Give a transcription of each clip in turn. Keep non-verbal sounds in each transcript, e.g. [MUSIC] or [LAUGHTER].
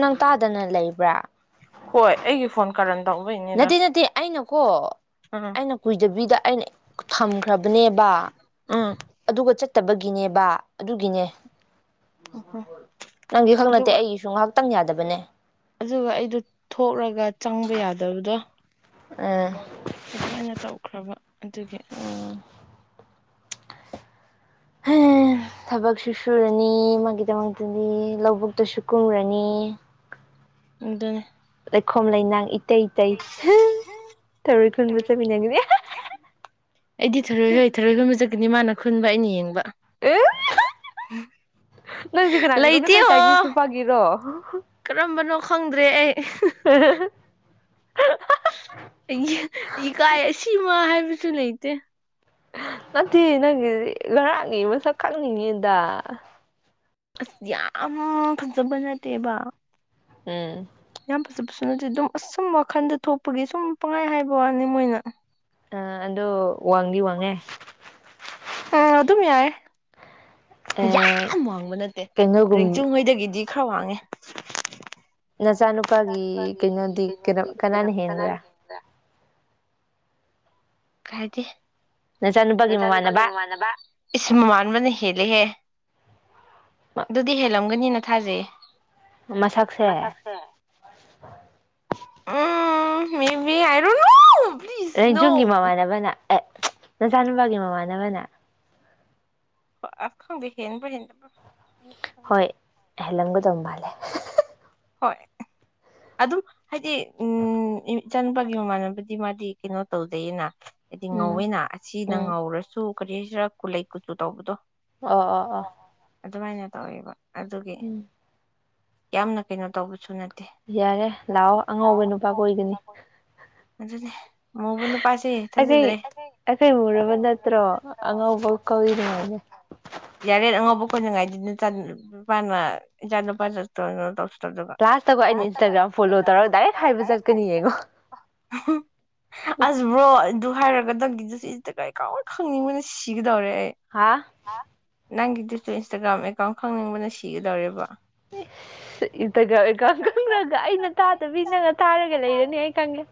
ꯅꯪ ꯇꯥꯗꯅ ꯂꯩꯕ꯭ꯔꯥ ꯀ ꯅ ꯅ ꯑꯩꯅꯣ ꯀꯣ ꯑꯩꯅ ꯀꯨꯏꯗꯕꯤꯗ ꯑꯩꯅ ꯊꯝꯈ꯭ꯔꯕꯅꯦꯕ ꯑꯗꯨꯒ ꯆꯠꯇꯕꯒꯤꯅꯦꯕꯕꯥ ꯑꯗꯨꯒꯤꯅꯦ ꯅꯪꯒꯤ ꯈꯛ ꯅꯠꯇꯦ ꯑꯩꯒꯤꯁꯨꯨꯡ ꯉꯍꯥꯛꯇ ꯈꯤꯇꯪ ꯌꯥꯗꯕꯅꯦ ꯑꯗꯨꯒ ꯑꯩꯗꯣ ꯊꯣꯛꯂꯒ ꯆꯪꯕ ꯌꯥꯗꯕꯗꯣ ꯑ ꯑꯗꯨ ꯑꯩꯅ ꯇꯧꯈ꯭ꯔꯕ ꯑꯗꯨꯒꯤ ꯍ ꯊꯕꯛꯁꯨ ꯁꯨꯔꯅꯤ ꯃꯥꯒꯤꯗꯃꯛꯇꯗꯤ ꯂꯧꯕꯨꯛꯇꯁꯨ ꯀꯨꯝꯔꯅꯤ ꯑꯗꯨꯗꯅꯦ ꯂꯩꯈꯣꯝ ꯂꯩꯅꯥꯡ ꯑꯩꯗꯤ ꯊꯣꯏꯔꯣꯏ ꯍꯣꯏ ꯊꯔꯣꯏ ꯈꯣꯏꯕ ꯆꯠꯀꯅꯤ ꯃꯥꯅ ꯁ ꯈꯨꯟꯥꯏ ꯅꯡ ꯑꯦ ꯅꯪꯁꯦ ꯀꯅꯥꯒꯤꯔꯣ ꯉꯁꯥꯏ ꯆꯥꯏꯅꯤꯁꯇꯨ ꯄꯥꯒꯤꯔꯣ ꯐꯪꯗ꯭ꯔꯦ ꯑꯩ [UNINTELLIGIBLE] ꯑꯩ ꯏꯀꯥꯏ ꯑꯁꯤꯃ ꯍꯥꯏꯕꯁꯨ ꯂꯩꯇꯦ ꯅꯠꯇꯗꯤ ꯅꯪꯒꯤꯗꯤ ꯉꯔꯥꯡꯅꯤ ꯃꯁꯛ ꯈꯪꯅꯤꯡꯉꯤꯗ ꯑꯁ ꯌꯥꯝ ꯈꯖꯕ ꯅꯠꯇꯦꯕ ꯍꯝ ꯐꯖꯕꯁꯨ ꯅꯠꯇꯦ ꯑꯗꯨꯝ ꯑꯁꯨꯝ ꯋꯥꯈꯟꯗ ꯊꯣꯛꯄꯒꯤ ꯁꯨꯝ ꯄꯪꯉꯥꯏ ꯍꯥꯏꯕ ꯋꯥꯅꯤ ꯃꯣꯏꯅ ꯑ ꯑꯗꯨꯣ ꯋꯥꯡꯗꯤ ꯋꯥꯡꯉꯦ ꯑꯗꯨꯝ ꯌꯥꯏ ꯌꯥꯝ ꯋꯥꯡꯕ ꯅꯠꯇꯦ ꯔꯦꯡꯆꯨꯡ ꯍꯣꯏꯗꯒꯤꯗꯤ ꯈꯔ ꯋꯥꯡꯉꯦ ꯅ ꯁꯅꯨ ꯅꯆꯥ ꯅꯨꯄꯥꯒꯤ ꯀꯩꯅꯣꯗꯤ ꯀꯅꯥꯅ ꯍꯦꯟꯕ꯭ꯔꯥ ꯀꯥꯏꯗꯤ ꯅꯆꯥ ꯅꯨꯄꯥꯒꯤ ꯃꯃꯥꯟꯅꯕ ꯏꯁ ꯃꯃꯥꯟꯅꯕꯅ ꯍꯦꯜꯂꯦꯍꯦ ꯑꯗꯨꯗꯤ ꯍꯦꯜꯂꯝ ꯒꯅꯤꯅ ꯊꯥꯖꯩ ꯃꯁꯛꯁꯦ ꯃꯤ ꯃꯤ ꯍꯥꯏꯔꯣ ꯅ ꯔꯖꯨꯒꯤ ꯃꯥꯃꯅꯕꯅ ꯑꯦ ꯅꯆꯥ ꯅꯨꯨꯄꯥꯒꯤ ꯃꯃꯥꯟꯅꯕꯅꯦ ꯑ ꯈꯪꯒꯅꯕ ꯍꯦꯟꯕ꯭ꯔ ꯍꯦꯟꯗꯕ꯭ꯔ ꯍꯣꯏ ꯍꯦꯜꯂꯝꯒꯗꯧ ꯃꯥꯜꯂꯦ ꯍꯣꯏ ꯑꯗꯨꯝ ꯍꯥꯏꯗꯤ ꯎꯝ ꯏꯆꯥꯅꯨꯄꯥꯒꯤ ꯃꯃꯥꯟꯅꯕꯗꯤ ꯃꯥꯗꯤ ꯀꯩꯅꯣ ꯇꯧꯖꯩꯗꯦꯅ ꯍꯥꯏꯗꯤ ꯉꯧꯋꯦꯅ ꯑꯁꯤꯅ ꯉꯧꯔꯁꯨ ꯀꯔꯤꯁꯤꯔ ꯀꯨꯂꯩ ꯀꯨꯆꯨ ꯇꯧꯕꯗꯣ ꯑ ꯑ ꯑꯥ ꯑꯗꯨꯃꯥꯏꯅ ꯇꯧꯋꯦꯕ ꯑꯗꯨꯒꯤ ꯀꯌꯥꯝ ꯅ ꯀꯩꯅꯣ ꯇꯧꯕꯁꯨ ꯅꯠꯇꯦ ꯑꯉꯧꯕ ꯅꯨꯄꯥꯁꯦ ꯊꯥꯖꯗ꯭ꯔꯦ ꯌꯥꯔꯦ ꯑꯉꯧꯕ ꯀꯣꯏꯅꯉꯥꯏꯗꯤ ꯂꯥꯁꯇꯀꯣ ꯑꯩꯅ ꯏꯟꯁꯇꯥꯒ꯭ꯔꯥꯝ ꯐꯣꯂꯣ ꯇꯧꯔꯒ ꯗꯥꯏꯦꯛ ꯍꯥꯏꯕ ꯆꯠꯀꯅꯤ ꯌꯦꯡꯉꯣ ꯃꯊꯨꯛꯒꯤ ꯑꯒꯦ ꯇꯧꯏ ꯍꯥꯥ ꯅꯪꯒꯤꯗꯨꯁꯨ ꯏꯟꯁꯇꯥꯒ꯭ꯔꯥꯝ ꯑꯦꯀꯥꯎꯟ ꯈꯪꯅꯤꯡꯕꯅ ꯁꯤꯒꯗꯧꯔꯦꯕ [INAUDIBLE] [INAUDIBLE] ꯑꯩꯅ ꯇꯥꯗꯕꯤ ꯅꯪ ꯇꯥꯔꯒ ꯂꯩꯔꯅꯤ ꯑꯩ ꯈꯪꯦ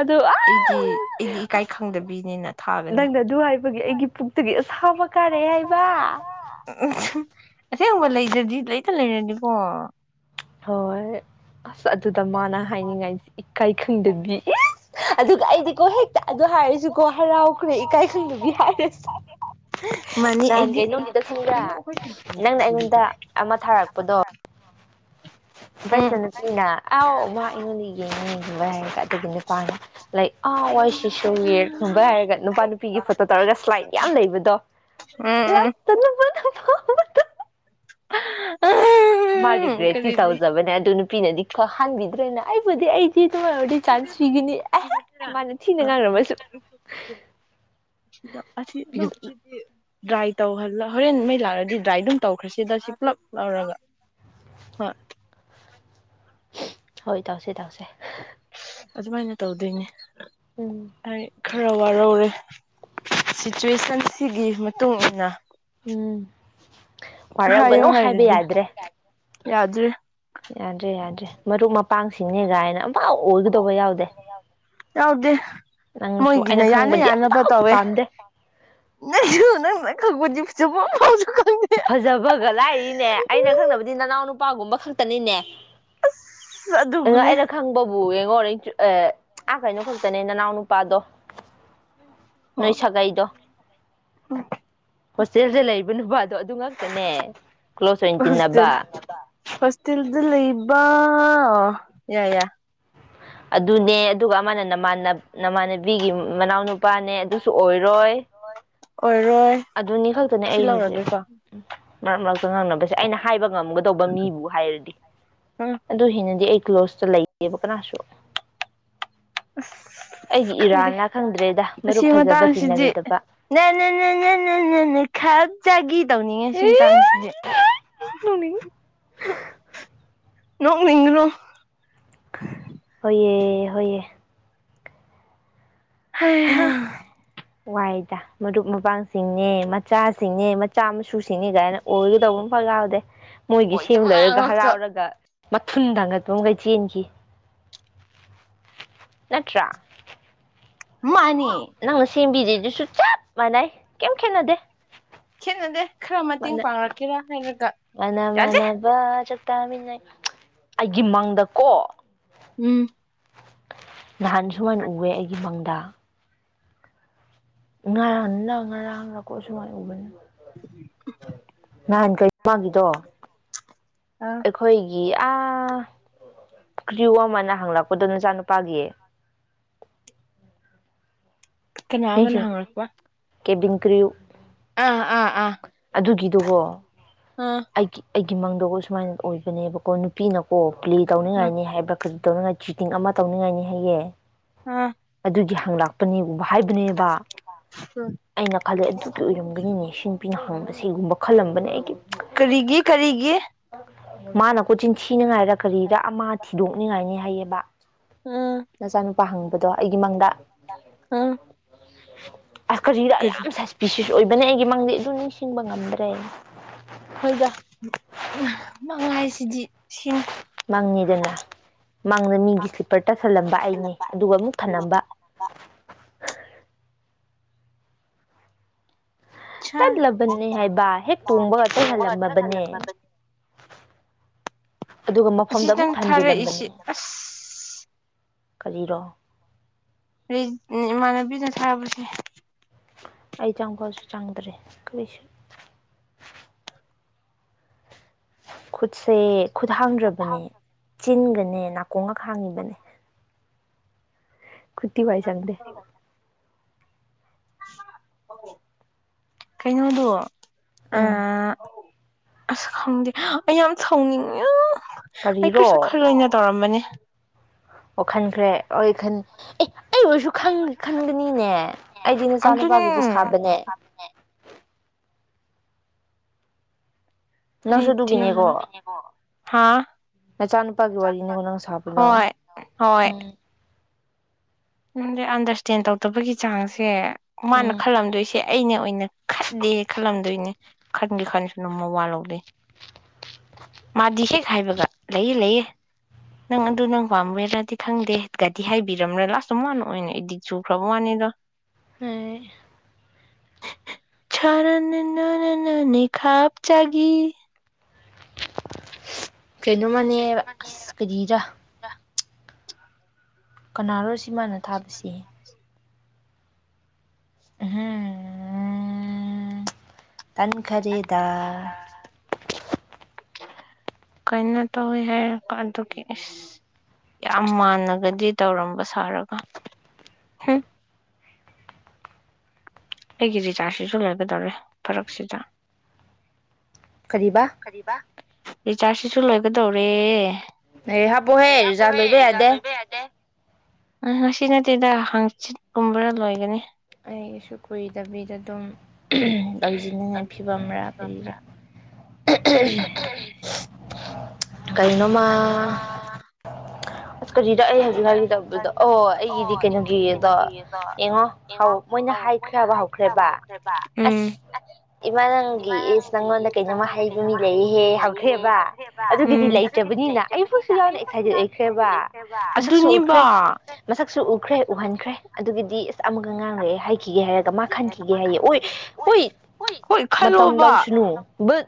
ꯑꯗꯨ ꯑ ꯅꯪꯅ ꯑꯗꯨ ꯍꯥꯏꯕꯒꯤ ꯑꯩꯒꯤ ꯄꯨꯛꯇꯒꯤ ꯑ ꯊꯕ ꯀꯥꯔꯦ ꯍꯥꯏꯕ ꯑꯁꯦꯡꯕ ꯂꯩꯗ꯭ꯔꯗꯤ ꯂꯩꯇ ꯂꯩꯔꯅꯤꯀꯣ ꯍꯣꯏ ꯑꯁ ꯑꯗꯨꯗ ꯃꯥꯅ ꯍꯥꯏꯅꯤꯡꯉꯥꯏꯁ ꯏꯀꯥꯏ ꯈꯪꯗꯕꯤ ꯑꯗꯨꯒ ꯑꯩꯗꯤꯀꯣ ꯍꯦꯛꯇ ꯑꯗꯨ ꯍꯥꯏꯔꯁꯨꯀꯣ ꯍꯔꯥꯎꯈ꯭ꯔꯦ ꯏꯀꯥꯏ ꯈꯪꯗꯕꯤ ꯍꯥꯏꯔꯁꯨ ꯅꯍꯥꯟꯒꯩ ꯅꯅꯨꯡꯗꯤꯗ ꯈꯪꯗ꯭ꯔꯦ ꯅꯪꯅ ꯑꯩꯉꯣꯟꯗ ꯑꯃ ꯊꯥꯔꯛꯄꯗꯣ [UNINTELLIGIBLE] ꯑꯥ ꯋꯥꯏ ꯁꯤꯁꯨꯋꯔ ꯈꯨꯝꯕ ꯍꯥꯏꯔꯒ ꯅꯨꯄꯥ ꯅꯨꯄꯤꯒꯤ ꯐꯣꯇꯣ ꯇꯧꯔꯒ ꯁ꯭ꯂꯥꯏꯠ ꯌꯥꯝ ꯂꯩꯕꯗꯣ [UNINTELLIGIBLE] ꯃꯥꯒ꯭ꯔꯦ ꯇꯤ ꯇꯧꯖꯕꯅꯦ ꯑꯗꯨ ꯅꯨꯄꯤꯅꯗꯤ ꯈꯔ ꯍꯟꯕꯤꯗ꯭ꯔꯦꯅ ꯑꯩꯕꯨꯗꯤ ꯑꯩ ꯁꯤꯗ ꯑꯣꯏꯔꯗꯤ ꯆꯥꯟꯁ ꯄꯤꯈꯤꯅꯤ ꯑꯦ ꯃꯥꯅ ꯊꯤꯅ ꯉꯥꯡꯔꯝꯃꯁꯨ ꯗ꯭ꯔꯥꯏ ꯇꯧꯍꯜꯂ ꯍꯣꯔꯦꯟ ꯃꯩ ꯂꯥꯛꯂꯗꯤ ꯗ꯭ꯔꯥꯏ ꯑꯗꯨꯝ ꯇꯧꯈ꯭ꯔꯁꯤꯗ ꯁꯤ ꯄꯨꯂꯞ ꯂꯧꯔꯒ ꯍꯣꯏ ꯍꯣꯏ ꯇꯧꯁꯦ ꯇꯧꯁꯦ ꯑꯗꯨꯃꯥꯏꯅ ꯇꯧꯗꯣꯏꯅꯦ ꯎꯝ ꯈꯔ ꯋꯥꯔꯧꯔꯦ ꯁꯤꯆꯨꯋꯦꯁꯟꯁꯤꯒꯤ ꯃꯇꯨꯡ ꯃꯇꯨꯡꯏꯟꯅ ꯎꯝ ꯋꯥꯔꯧꯒꯅꯨ ꯍꯥꯏꯕ ꯌꯥꯗ꯭ꯔꯦ ꯌꯥꯗ꯭ꯔꯦ ꯌꯥꯗꯦ ꯌꯥꯖꯦ ꯃꯔꯨꯞ ꯃꯄ ꯄꯥꯡꯁꯤꯡꯅꯦꯒꯥꯏꯅ ꯌꯥꯎꯗꯦ ꯃꯣꯏꯒꯤꯅ ꯌꯥꯅ ꯌꯥꯅꯕ ꯇꯧꯋꯦ ꯅꯁꯨ ꯅꯪ ꯈꯕꯨꯗꯤ ꯐꯁꯨꯕꯁꯨ ꯅꯨꯄꯥꯒꯨꯝꯕ ꯈꯛꯇꯅꯤꯅꯦ ꯑꯩꯅ ꯈꯪꯕꯕꯨ ꯌꯦꯡꯉꯣ ꯑ ꯑꯥ ꯀꯩꯅꯣ ꯈꯛꯇꯅꯦ ꯅꯅꯥꯎ ꯅꯨꯄꯥꯗꯣ ꯍ ꯑ ꯍꯣꯁꯇꯦꯜꯁꯦ ꯂꯩꯕꯅꯨꯕ ꯑꯗꯣ ꯑꯗꯨ ꯉꯥꯛꯛꯇꯅꯦ ꯀ꯭ꯂꯣꯁ ꯑꯣꯏꯅ ꯇꯤꯟꯅꯕ ꯐꯁꯜꯗꯂ ꯏꯕ ꯌꯥ ꯌꯥ ꯑꯗꯨꯅꯦ ꯑꯗꯨꯒ ꯑꯃꯅ ꯅꯥꯟ ꯅꯃꯥꯟꯅꯕꯤꯒꯤ ꯃꯅꯥꯎꯅꯨꯄꯥꯅꯦ ꯑꯗꯨꯁꯨ ꯑꯣꯏꯔ ꯔꯣꯏ ꯑꯣꯏꯔꯣꯏ ꯁꯤ ꯂꯧꯔꯒꯦꯀꯣ ꯃꯥ ꯉꯥꯡꯅꯕꯁꯦ ꯑꯩꯅ ꯍꯥꯏꯕ ꯉꯝꯒꯗꯧꯕ ꯃꯤꯕꯨ ꯍꯥꯏꯔꯗꯤ ꯑꯗꯨ ꯍꯦꯟꯅꯗꯤ ꯑꯩ ꯀ꯭ꯂꯣꯁꯇ ꯂꯩꯌꯦꯕ ꯀꯅꯥꯁꯨ ꯑꯁ ꯈꯪꯗꯦ ꯑꯁꯤ ꯃꯇꯥꯡꯁꯤꯗꯤ ꯅꯦ ꯅꯦ ꯅꯦ ꯅꯦ ꯅ ꯅ ꯅ ꯈꯠꯖꯥꯏꯒꯤ ꯇꯧꯅꯤꯡꯉꯦ ꯁꯤ ꯃꯇꯥꯡꯁꯤꯗꯤ ꯅꫭꯅꯤꯡ ꯅꯣꯡꯅꯤꯡ ꯒꯅꯣ ꯍꫭꯌꯦ ꯍꫭꯌꯦ ꯍꯝ ꯋꯥꯏ ꯃꯔꯨꯞ ꯃꯄꯥꯡꯁꯤꯡꯅꯦ ꯃꯆꯥꯁꯤꯡꯅꯦ ꯃꯆꯥ ꯃꯁꯨꯁꯤꯡꯅꯦ ꯀꯥꯏꯅ ꯑꯣꯏꯒꯗꯧꯕ ꯑꯃ ꯐꯥꯎ ꯌꯥꯎꯗꯦ ꯃꯣꯏꯒꯤ ꯁꯦꯝꯂꯔꯒ ꯍꯔꯥꯎꯔꯒ ꯃꯊꯨꯟ ꯊꯥꯡꯒꯠꯄꯝꯒꯩ ꯆꯦꯟꯈꯤ ꯅꯠꯇ꯭ꯔꯥ ꯅꯪꯅ ꯁꯦꯝꯕꯤꯖꯤ ꯑꯗꯨꯁꯨ ꯆꯞ ꯃꯅꯩ ꯀꯩꯝ ꯈꯦꯅꯗꯦ ꯈꯦꯠꯅꯗꯦ ꯈꯔ ꯃꯇꯦꯡ ꯄꯥꯡꯔꯛꯀꯦꯔꯥ ꯍꯥꯏꯔꯛ ꯃꯅꯥ ꯃꯅꯥꯕ ꯆꯛ ꯇꯥꯃꯤꯟꯅꯩ ꯑꯩꯒꯤ ꯃꯪꯗꯀꯣ ꯎꯝ ꯅꯍꯥꯟ ꯁꯨꯃꯥꯏꯅ ꯎꯔꯦ ꯑꯩꯒꯤ ꯃꯪꯗ ꯉꯔꯥꯟꯂ ꯉꯔꯥꯡ ꯂ ꯀꯣ ꯁꯨꯃꯥꯥꯏꯕꯅꯤ ꯅꯍꯥꯟ ꯀꯩꯅꫭ ꯃꯥꯒꯤꯗꯣ ꯑꯩꯈꯣꯏꯒꯤ ꯒꯤ ꯑꯥ ꯀꯔꯤ ꯋꯥ ꯃꯥꯅ ꯍꯪꯂꯛꯄꯗꯣ ꯅꯆꯥꯅꯨꯄꯥꯒꯤ ꯀꯅꯥ ꯑꯃꯅ ꯍꯪꯔꯛꯄ ꯀꯦꯕꯤꯟ ꯀ꯭ꯔꯤꯎ ꯑꯗꯨꯒꯤꯗꯨꯒꯣ ꯑꯩꯒꯤ ꯑꯩꯒꯤ ꯃꯪꯗꯒ ꯁꯨꯃꯥꯏꯅ ꯑꯣꯏꯕꯅꯦꯕꯀꯣ ꯅꯨꯄꯤꯅꯀꯣ ꯄ꯭ꯂꯦ ꯇꯧꯅꯤꯡꯉꯥꯏꯅꯤ ꯍꯥꯏꯕ ꯀꯔꯤ ꯇꯧꯅꯤꯡꯉꯥꯏ ꯆꯤꯇꯤꯡ ꯑꯃ ꯇꯧꯅꯤꯡꯉꯥꯏꯅꯤ ꯍꯥꯏꯌꯦ ꯑꯗꯨꯒꯤ ꯍ ꯪ ꯂꯥꯛꯄꯅꯤ ꯒꯨꯝꯕ ꯍꯥꯏꯕꯅꯦꯕ ꯑꯩꯅ ꯈꯜꯂꯦ ꯑꯗꯨꯒꯤ ꯑꯣꯏꯔꯝꯒꯅꯤꯅꯦ ꯁꯤ ꯅꯨꯄꯤꯅ ꯍꯥꯡꯕꯁ ꯁꯤꯒꯨꯝꯕ ꯀꯔꯤꯒꯤ ꯀꯔꯤꯒꯤ ꯃꯥꯅ ꯀꯣ ꯆꯤꯟ ꯊꯤꯅ ꯉꯥꯏꯔꯛ ꯀꯔꯤꯔꯥ ꯑꯃ ꯊꯤꯗꯣꯡ ꯀꯅꯤꯡꯉꯥꯏꯅꯤ ꯍꯥꯏꯩꯌꯦꯕ ꯅꯆꯥꯅꯨꯄꯥ ꯍꯪꯕꯗꯣ ꯑꯩꯒꯤ ꯃꯪꯗ ꯑꯣ ꯑꯁ ꯀꯔꯤꯗ ꯌꯥꯝ ꯁꯥꯏꯖ ꯄꯤꯁꯤ ꯑꯣꯏꯕꯅꯦ ꯑꯩꯒꯤ ꯃꯥꯡꯗꯤ ꯑꯗꯨ ꯅꯤꯡꯁꯤꯡꯕ ꯉꯝꯗ꯭ꯔꯦ ꯑꯩꯈꯣꯏꯗ ꯃ ꯍꯥꯏꯁꯤꯗꯤ ꯁꯤꯁꯤꯡꯄꯔ ꯇꯜꯂꯝꯕ ꯑꯩ ꯑꯗꯨꯒ ꯑꯃ ꯐꯜꯕ ꯇꯠꯂꯕꯅꯦ ꯍꯥꯏꯕ ꯍꯦꯛ ꯇꯣꯡꯕꯒ ꯇꯠꯍꯜꯂꯝꯃꯕꯅꯦ ꯑꯗꯨꯒ ꯃꯐꯝꯗ ꯑꯃꯨꯛ ꯊꯝꯖꯤꯜꯂꯝꯕꯅꯦ ꯀꯔꯤꯔꯣ ꯏꯃꯥꯟꯅꯕꯤꯅ ꯁꯥꯕꯁꯦ ꯑꯩ ꯆꯪꯕꯁꯨ ꯆꯪꯗ꯭ꯔꯦ ꯀꯔꯤꯁꯨ ꯈꯨꯠꯁꯦ ꯈꯨꯠ ꯍꯥꯡꯗ꯭ꯔꯕꯅꯤ ꯆꯤꯟꯒꯅꯤ ꯅꯦ ꯅꯥꯀꯣꯡꯒ ꯈꯥꯡꯉꯤꯕꯅꯦ ꯀꯨꯇꯤ ꯋꯥꯏ ꯆꯪꯗ ꯀꯩꯅꯣꯗ‌ꯣ ꯑꯥ ꯑꯁ ꯈꯪꯗꯦ ꯑꯩ ꯌꯥꯝ ꯁꯧꯅꯤꯡꯉꯦ ꯑꯩ ꯀꯔꯤꯁꯨ ꯈꯜꯂꯅ ꯇꯧꯔꯝꯕꯅꯤ ꯑꯣ ꯈꯟꯈ꯭ꯔꯦ ꯑꯣꯏꯣꯏ ꯈꯟ ꯑꯩ ꯑꯣꯏꯔꯁꯨ ꯈꯟꯒꯅꯤꯅꯦ ꯑꯩꯗꯤ ꯅꯆꯥꯅꯨꯄꯥꯒꯤꯗꯨ ꯁꯥꯕꯅꯦ ꯍꯥ ꯍꯣꯏ ꯍ ꯅꯪꯗꯤ ꯑꯟꯗꯔꯁꯇꯦꯟ ꯇꯧꯗꯕꯒꯤ ꯆꯥꯡꯁꯦ ꯃꯥꯅ ꯈꯜꯂꯝꯗꯣꯏꯁꯤ ꯑꯩꯅ ꯑꯣꯏꯅ ꯈꯠꯗꯦ ꯈꯜꯂꯝꯗꯣꯏꯅꯦ ꯈꯟꯒꯦ ꯈꯟꯁꯅꯨ ꯃꯋꯥ ꯂꯧꯗ‌ꯦ ꯃꯥꯗꯤ ꯍꯦꯛ ꯍꯥꯏꯕꯒ ꯂꯩꯌꯦ ꯂꯩꯌꯦ ꯅꯪ ꯑꯗꯨ ꯅꯪ ꯄꯥꯝꯃꯣꯏꯔꯗꯤ ꯈꯪꯗꯦ ꯒꯥꯗꯤ ꯍꯥꯏꯕꯤꯔꯝ ꯂꯥ ꯆꯞ ꯃꯥꯟꯅ ꯑꯣꯏꯅ ꯑꯩꯗꯤ ꯆꯨꯈ꯭ꯔꯕ ꯋꯥꯅꯤꯗꯣ ꯑꯦ ꯈꯔ ꯅꯅ ꯅꯅꯤ ꯈꯥꯞ ꯆꯥꯒꯤ ꯀꯩꯅꯣꯝꯃꯅꯦꯕ ꯑꯁ ꯀꯔꯤꯔ ꯀꯅꯥꯔꯣꯁꯤ ꯁꯤꯃꯥꯟꯅ ꯊꯥꯕꯁꯦ ꯍꯝ ꯇꯥꯟꯈꯔꯦꯗ ꯀꯩꯅꯣ ꯇꯧꯋꯤ ꯍꯥꯏꯔꯄ ꯑꯗꯨꯒꯤ ꯑꯁ ꯌꯥꯝ ꯃꯥꯟꯅꯒꯗꯤ ꯇꯧꯔꯝꯕ ꯁꯥꯔꯒ ꯑꯩꯒꯤ ꯖꯤ ꯆꯥꯔꯁꯤꯁꯨ ꯂꯩꯒꯗꯧꯔꯦ ꯐꯔꯛꯁꯤꯗ ꯀꯔꯤꯕꯥ ꯔꯤꯆꯥꯔꯖꯁꯤꯁꯨ ꯂꯣꯏꯒꯗꯧꯔꯦ ꯑꯦ ꯍꯥꯞꯄ‌ꯣꯍꯦ ꯔꯤꯆꯥꯔꯖ ꯂꯣꯏꯕ ꯌꯥꯗꯦ ꯉꯁꯤ ꯅꯠꯇꯦꯗ ꯍꯥꯡꯆꯤꯠꯀꯨꯝꯕ꯭ꯔꯥ ꯂꯣꯏꯒꯅꯤ ꯑꯩꯒꯤꯁꯨ ꯀꯨꯏꯗꯕꯤꯗ ꯑꯗꯨꯝ ꯇꯧꯖꯅꯤꯡꯉꯥꯏ ꯐꯤꯕꯝꯔꯥ ꯀꯔꯤꯔꯥ ꯀꯥꯏꯅꯃꯥ ꯑꯩ ꯇꯗꯣ ꯑꯣ ꯑꯩꯒꯤꯗꯤ ꯀꯩꯅꯣꯒꯤ ꯑꯗꯣ ꯌꯦꯡꯉꯣ ꯃꯣꯏꯅ ꯍꯥꯏꯈ꯭ꯔꯕ ꯍꯧꯈ꯭ꯔꯦꯕ ꯏꯃꯥꯅ ꯂꯤꯛꯏ ꯅꯪꯉꯣꯟꯗ ꯀꯩꯅꯣꯃ ꯍꯩꯗꯨꯅꯤ ꯂꯩꯍꯦ ꯍꯧꯈ꯭ꯔꯦꯕ ꯑꯗꯨꯒꯤꯗꯤ ꯂꯩꯇ꯭ꯔꯕꯅꯤꯅ ꯑꯩꯕꯨꯁꯨ ꯌꯥꯎꯔꯛꯏꯦ ꯈꯗꯏ ꯃꯁꯛꯁꯨ ꯎꯈ꯭ꯔꯦ ꯃꯁꯛꯁꯨ ꯎꯈ꯭ꯔꯦ ꯎꯍꯟꯈ꯭ꯔꯦ ꯑꯗꯨꯒꯤꯗꯤ ꯑꯁ ꯑꯃꯒ ꯉꯥꯡꯔꯦ ꯍꯥꯏꯈꯤꯒꯦ ꯍꯥꯏꯔꯒ ꯃꯥ ꯈꯟꯈꯤꯒꯦ ꯍꯥꯏꯌꯦ ꯑꯣꯏ ꯍꯣꯏ ꯃꯇꯝ ꯂꯧꯁꯅꯨ ꯕꯠ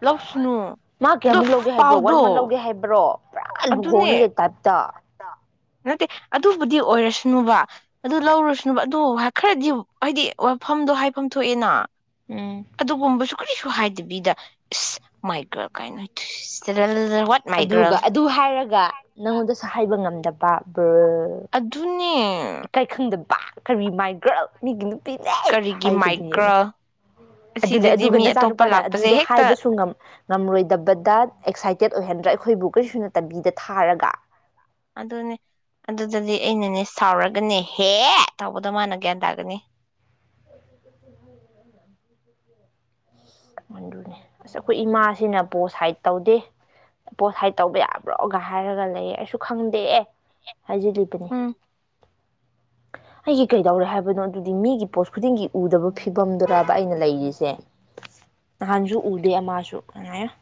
ꯃꯥ ꯀꯌꯥꯃꯨꯛ ꯂꯧꯒꯦ ꯍꯥꯏꯕ꯭ꯔꯣ ꯋꯥꯟ ꯃꯟ ꯂꯧꯒꯦ ꯍꯥꯏꯕ꯭ꯔꯣ ꯄꯨꯔꯥ ꯂꯨꯍꯣꯡꯅꯒꯦ ꯇꯥꯏꯞꯇ ꯅꯠꯇꯦ ꯑꯗꯨꯕꯨꯗꯤ ꯑꯣꯏꯔꯁꯅꯨꯕ ꯑꯗꯨ ꯂꯧꯔꯨꯁꯅꯨꯕ ꯑꯗꯨ ꯈꯔꯗꯤ ꯍꯥꯏꯗꯤ ꯋꯥꯐꯝꯗꯣ ꯍꯥꯏꯐꯝ ꯊꯣꯛꯑꯦꯅ ꯑꯗꯨꯒꯨꯝꯕꯁꯨ ꯀꯔꯤꯁꯨ ꯍꯥꯏꯗꯕꯤꯗ ꯏꯁ ꯃꯥꯏ ꯀꯅ ꯑꯗꯨꯒ ꯑꯗꯨ ꯍꯥꯏꯔꯒ ꯅꯪꯉꯣꯟꯗꯁꯨ ꯍꯥꯏꯕ ꯉꯝꯗꯕ ꯇꯥꯕ ꯑꯗꯨꯅ ꯀꯔꯤ ꯃꯥꯏꯒ꯭ꯔ ꯃꯤꯒꯤ ꯄꯤꯅꯦ ꯍꯥꯏꯒꯗꯨ ꯌꯦꯡꯉꯣ ꯑꯗꯨꯅꯦ ꯑꯗꯨꯒ ꯅꯆꯥꯅꯨꯄꯥꯅ ꯑꯗꯨꯗꯣ ꯍꯥꯏꯕꯁꯨ ꯉꯝ ꯉꯝꯂꯣꯏꯗꯕꯗ ꯑꯦꯛꯁꯥꯏꯇꯦꯠ ꯑꯣꯏꯍꯟꯗ꯭ꯔꯥ ꯑꯩꯈꯣꯏꯕꯨ ꯀꯔꯤꯁꯨ ꯅ ꯇꯝꯕꯤꯗ ꯊꯥꯔꯒ ꯑꯗꯨꯅꯦ ꯑꯗꯨꯗꯗꯤ ꯑꯩꯅꯅꯦ ꯁꯥꯎꯔꯒꯅꯦꯍꯦ ꯇꯧꯕꯗꯣ ꯃꯥꯅ ꯒ꯭ꯌꯥꯟ ꯇꯥꯒꯅꯤ ꯗꯨꯅꯦ ꯑꯁ ꯑꯩꯈꯣꯏ ꯏꯃꯥꯁꯤꯅ ꯄꯣꯠ ꯁꯥꯏꯠ ꯇꯧꯗꯦ ꯄꯣꯠ ꯁꯥꯏꯠ ꯇꯧꯕ ꯌꯥꯕ꯭ꯔꯣꯒ ꯍꯥꯏꯔꯒ ꯂꯩꯌꯦ ꯑꯩꯁꯨ ꯈꯪꯗꯦꯦ ꯍꯥꯏꯖꯔꯤꯕꯅꯤ ꯑꯩꯁ ꯀꯩꯗꯧꯔꯦ ꯍꯥꯏꯕꯅꯣ ꯑꯗꯨꯗꯤ ꯃꯤꯒꯤ ꯄꯣꯠ ꯈꯨꯗꯤꯡꯒꯤ ꯎꯗꯕ ꯐꯤꯕꯝꯗꯨꯔꯔꯕ ꯑꯩꯅ ꯂꯩꯔꯤꯁꯦ ꯅꯍꯥꯟꯁꯨ ꯎꯗꯦ ꯃꯥꯁꯨ ꯀꯃꯥꯏꯅ